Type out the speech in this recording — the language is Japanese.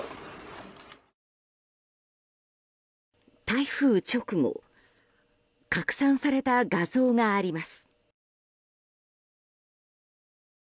台風直後拡散された画像があります。